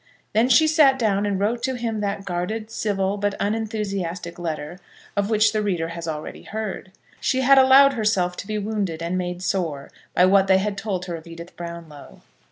Then she sat down, and wrote to him that guarded, civil, but unenthusiastic letter, of which the reader has already heard. She had allowed herself to be wounded and made sore by what they had told her of Edith Brownlow.